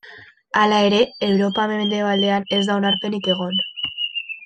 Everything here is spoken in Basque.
Hala ere, Europa mendebaldean ez da onarpenik egon.